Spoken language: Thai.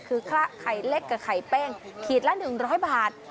คือคละไข่เล็กกับไข่เป้งขีดละ๑๐๐บาท